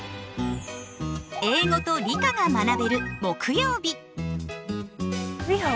英語と理科が学べる木曜日。